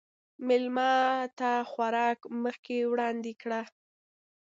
مېلمه ته خوراک مخکې وړاندې کړه.